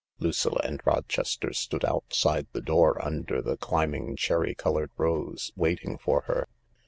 Lucilla and Rochester stood outside the door under the climbing cherry coloured rose, waiting for her.